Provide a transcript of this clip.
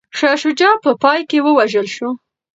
شاه شجاع په پای کي ووژل شو.